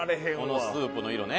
このスープの色ね。